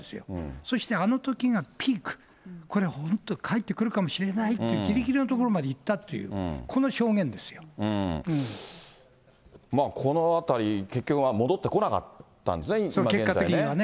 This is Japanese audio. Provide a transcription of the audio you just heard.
そしてあのときがピーク、これは本当、返ってくるかもしれないというぎりぎりのところまでいったっていこのあたり、結局戻ってこな結果的にはね。